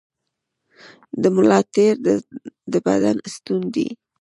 د ملا تیر د بدن ستون دی